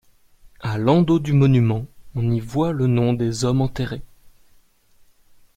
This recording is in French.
À l'endos du monument on y voit les noms des hommes enterrés.